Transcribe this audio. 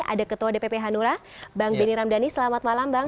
ada ketua dpp hanura bang benny ramdhani selamat malam bang